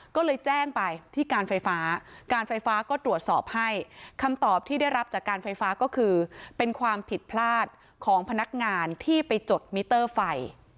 ก็เลยแจ้งไปที่การไฟฟ้าการไฟฟ้าก็ตรวจสอบให้คำตอบที่ได้รับจากการไฟฟ้าก็คือเป็นความผิดพลาดของพนักงานที่ไปจดมิเตอร์ไฟ